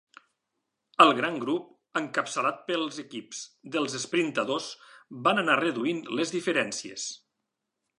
El gran grup, encapçalat pels equips dels esprintadors, va anar reduint les diferències.